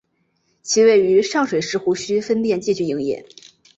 其位于上水石湖墟分店继续营业。